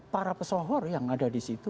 para pesohor yang ada di situ